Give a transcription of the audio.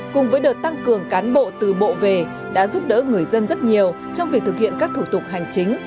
cùng với đợt tăng cường cán bộ từ bộ về đã giúp đỡ người dân rất nhiều trong việc thực hiện các thủ tục hành chính